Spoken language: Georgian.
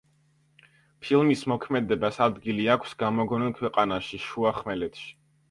ფილმის მოქმედებას ადგილი აქვს გამოგონილ ქვეყანაში, შუახმელეთში.